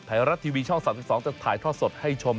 ไทยรัฐทีวีช่อง๓๒จะถ่ายทอดสดให้ชม